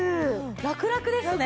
ラクラクですね。